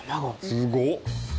すごっ。